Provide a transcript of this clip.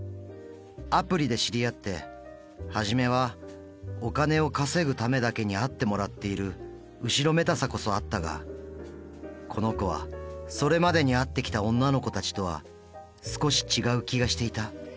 アプリで知り合って初めはお金を稼ぐためだけに会ってもらっている後ろめたさこそあったがこの子はそれまでに会ってきた女の子たちとは少し違う気がしていた。